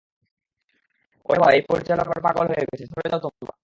ওরে বাবা, এই পরিচালক আবার পাগল হয়ে গেছে, সরে যাও তোমরা।